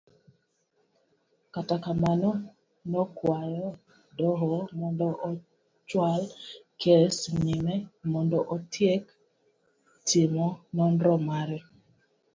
Kata kamano nokwayo doho mondo ochwal kes nyime mondo otiek timo nonro mare.